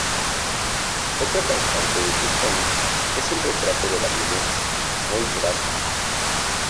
Otra constante de sus cómics es el retrato de la violencia, muy gráfica.